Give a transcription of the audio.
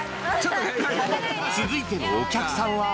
続いてのお客さんは。